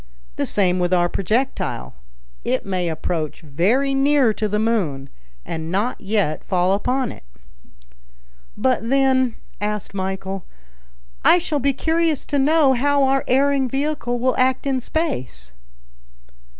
The same with our projectile. It may approach very near to the moon, and not yet fall upon it." "But then," asked Michel, "I shall be curious to know how our erring vehicle will act in space?"